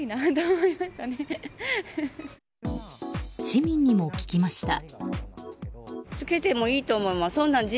市民にも聞きました。